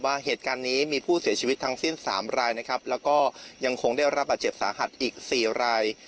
ว่าเหตุการณ์นี้มีผู้เสียชีวิตทั้งสิ้น๓รายนะครับแล้วก็ยังคงได้รับบาดเจ็บสาหัสอีก๔ราย